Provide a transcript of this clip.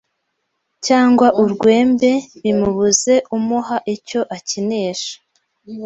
cyangwa urwembe bimubuze umuha icyo akinisha